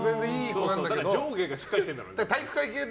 上下がしっかりしてるんだろうね。